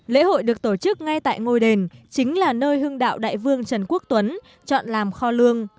lễ hội được tổ chức ngay tại ngôi đền chính là nơi hưng đạo đại vương trần quốc tuấn chọn làm kho lương